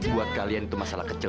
buat kalian itu masalah kecil